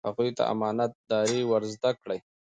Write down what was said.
هغوی ته امانت داري ور زده کړئ.